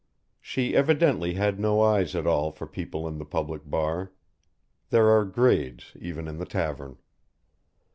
She evidently had no eyes at all for people in the public bar. There are grades, even in the tavern.